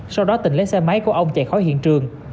sau đó tình lấy xe máy của ông chạy khỏi hiện trường